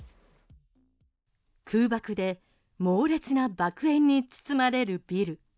空爆で猛烈な爆炎に包まれるビル。